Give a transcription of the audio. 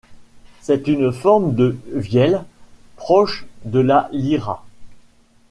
C'est une forme de vièle proche de la lyra.